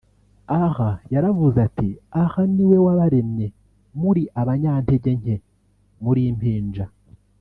Allah yaravuze ati "Allah ni we wabaremye muri abanyantegenke (muri impinja)